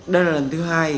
đây là lần thứ hai